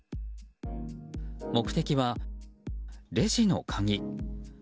目的はレジの鍵。